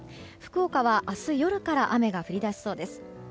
福岡は明日夜から雨が降り出しそうです。